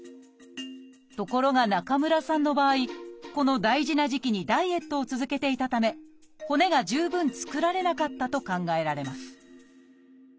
ところが中村さんの場合この大事な時期にダイエットを続けていたため骨が十分作られなかったと考えられます